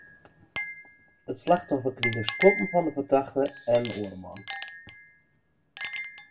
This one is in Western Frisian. It slachtoffer krige skoppen fan de fertochte en in oare man.